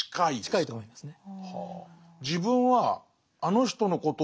近いと思いますね。